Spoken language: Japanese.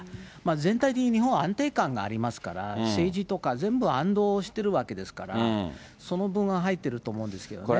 全体的に日本は安定感がありますから、政治とか全部してるわけですから、その分は入ってると思うんですけどね。